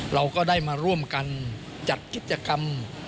เราก็ได้มาร่วมกันจัดกิจกรรม